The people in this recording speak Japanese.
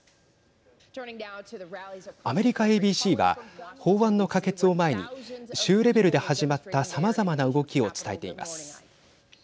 アメリカＡＢＣは法案の可決を前に州レベルで始まったさまざまな動きを伝えています。